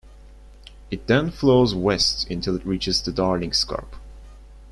It then flows west until it reaches the Darling Scarp.